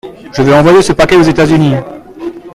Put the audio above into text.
Je veux envoyer ce paquet aux États-Unis.